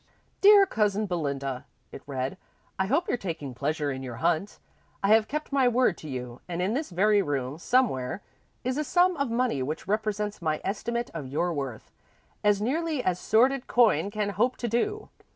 "Dear Cousin Belinda," it read, "I hope you're taking pleasure in your hunt. I have kept my word to you and in this very room, somewhere, is a sum of money which represents my estimate of your worth, as nearly as sordid coin can hope to do.